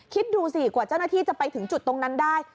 คิดดูสิกว่าเจ้าหน้าที่จะไปถึงจุดตรงนั้นได้